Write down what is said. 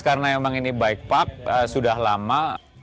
karena emang ini bike park sudah lama